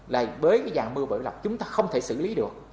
là với cái vàng mưa bể lọc chúng ta không thể xử lý được